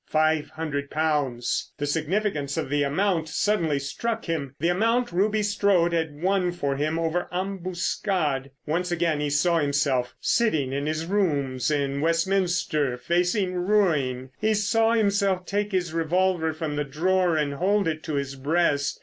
Five hundred pounds! The significance of the amount suddenly struck him. The amount Ruby Strode had won for him over Ambuscade. Once again he saw himself sitting in his rooms in Westminster facing ruin; he saw himself take his revolver from the drawer and hold it to his breast.